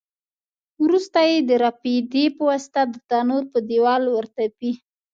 وروسته یې د رپېدې په واسطه د تنور په دېوال ورتپي.